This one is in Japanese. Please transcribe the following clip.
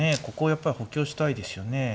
ここをやっぱり補強したいですよね。